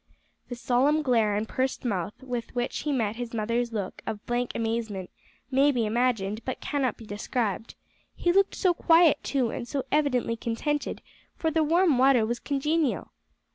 The solemn glare and pursed mouth with which he met his mother's look of blank amazement may be imagined but cannot be described he looked so quiet, too, and so evidently contented, for the warm water was congenial!